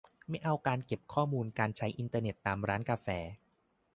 ไม่เอาการเก็บข้อมูลการใช้อินเทอร์เน็ตตามร้านกาแฟ